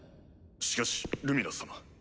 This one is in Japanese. しかしルミナス様。